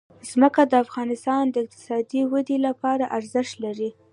ځمکه د افغانستان د اقتصادي ودې لپاره ارزښت لري.